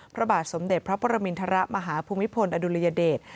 พระบาทสมเด็จพระปรมินทรมาฮภูมิพลอดุลยเดช